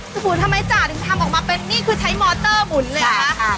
หมุนทำไมจ่าถึงทำออกมาเป็นนี่คือใช้มอเตอร์หมุนเลยเหรอคะ